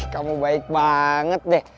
kamu baik banget deh